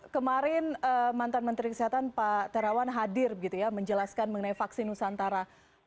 kemarin mantan menteri kesehatan pak terawan hadir gitu ya menjelaskan mengenai vaksin nusantara